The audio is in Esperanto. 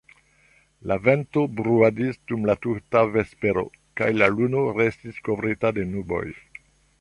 La vento bruadis dum la tuta vespero, kaj la luno restis kovrita de nuboj.